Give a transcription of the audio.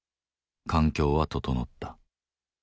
環境は整った。